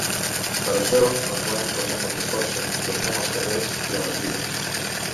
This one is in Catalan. Per això, enguany tornem amb més força, tornem als carrers i a les vides.